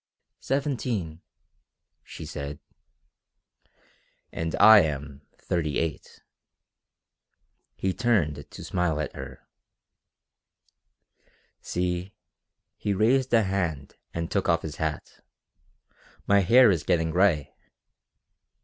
"Seventeen," she said. "And I am thirty eight." He turned to smile at her. "See...." He raised a hand and took off his hat. "My hair is getting gray!"